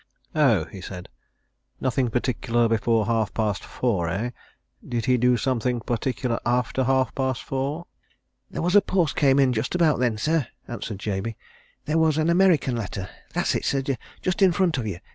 "Oh?" he said. "Nothing particular before half past four, eh? Did he do something particular after half past four?" "There was a post came in just about then, sir," answered Jabey. "There was an American letter that's it, sir just in front of you.